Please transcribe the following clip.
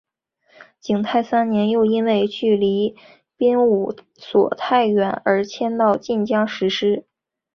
景泰三年又因为距离崇武所太远而迁到晋江石狮。